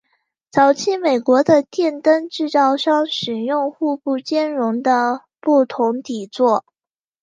早期美国的电灯制造商使用互不兼容的不同底座。